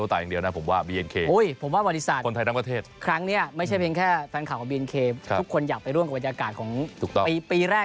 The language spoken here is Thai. ทุกคนอยากไปร่วมกับบรรยากาศของปีแรก